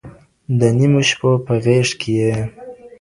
د نيمو شپو په غېږ كي يې